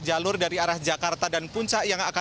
jalur dari arah jakarta dan puncak